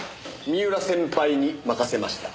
三浦先輩に任せました。